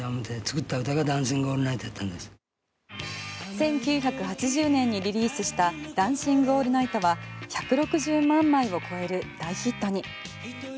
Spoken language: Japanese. １９８０年にリリースした「ダンシング・オールナイト」は１６０万枚を超える大ヒットに。